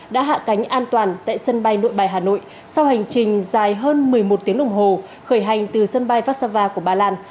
đã hạ cánh an toàn tại sân bay nội bài hà nội sau hành trình dài hơn một mươi một tiếng đồng hồ khởi hành từ sân bay vassava của bà lan